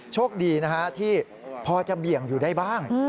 โชคดีนะฮะที่พอจะเบี่ยงอยู่ได้บ้าง